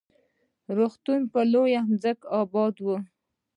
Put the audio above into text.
روغتون پر لوړه ځمکه اباد و.